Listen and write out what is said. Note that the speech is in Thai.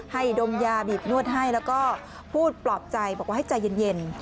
ดมยาบีบนวดให้แล้วก็พูดปลอบใจบอกว่าให้ใจเย็น